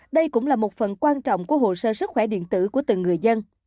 đây cũng là một phần quan trọng của hồ sơ sức khỏe điện tử của từng người dân